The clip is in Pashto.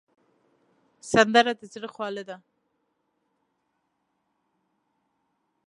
سندره د زړه خواله ده